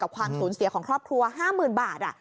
ความสูญเสียของครอบครัว๕๐๐๐บาท